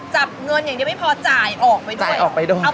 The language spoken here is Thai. จับเงินอย่างเดียวไม่พอจ่ายออกไปด้วย